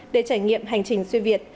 để trải nghiệm hành trình xuyên việt